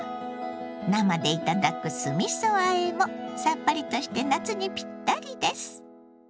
生で頂く酢みそあえもさっぱりとして夏にピッタリです。